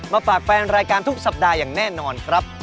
มาฝากแฟนรายการทุกสัปดาห์อย่างแน่นอนครับ